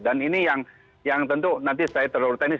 ini yang tentu nanti saya terlalu teknis